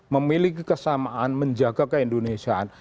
memiliki kesamaan menjaga keindonesiaan